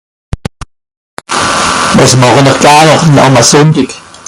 wàs màchen'r garn àm à sùndig